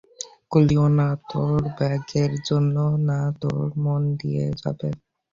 কুলিও না, তোর ব্যাগের জন্যও না, তোর মন নিয়ে যাবে।